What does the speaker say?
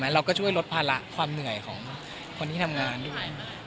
เราก็ช่วยลดภาระความเหนื่อยของคนที่ทำงานด้วย